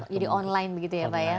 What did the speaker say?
jadi online begitu ya